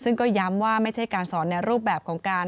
ซึ่งก็ย้ำว่าไม่ใช่การสอนในรูปแบบของการ